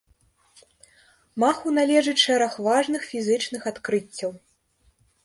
Маху належыць шэраг важных фізічных адкрыццяў.